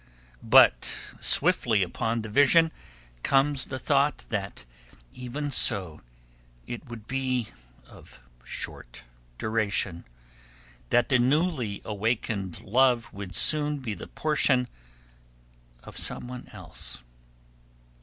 But swiftly upon the vision comes the thought, that even so, it would be of short duration; that the newly awakened love would soon be the portion of someone else.